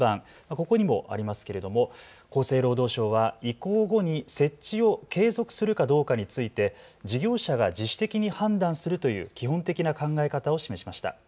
ここにもありますけども厚生労働省は移行後に設置を継続するかどうかについて事業者が自主的に判断するという基本的な考え方を示しました。